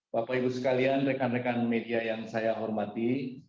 bapak ibu sekalian rekan rekan media yang saya hormati